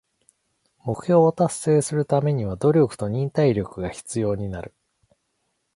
目標を達成するためには努力と忍耐力が必要になる。